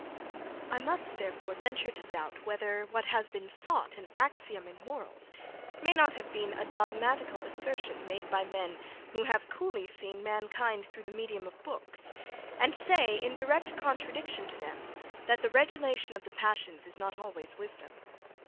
I must therefore venture to doubt, whether what has been thought an axiom in morals, may not have been a dogmatical assertion made by men who have coolly seen mankind through the medium of books, and say, in direct contradiction to them, that the regulation of the passions is not always wisdom.